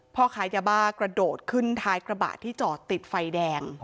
พ่อค้ายาบ้ากระโดดขึ้นท้ายกระบะที่จอดติดไฟแดง